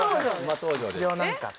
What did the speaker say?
一応なんか。